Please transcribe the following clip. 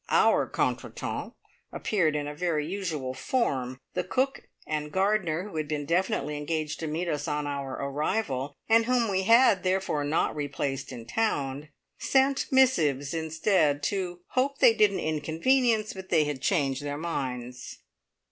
Our contretemps appeared in a very usual form. The cook and gardener, who had been definitely engaged to meet us on our arrival, and whom we had, therefore, not replaced in town, sent missives instead, to "hope they didn't inconvenience, but they had changed their minds".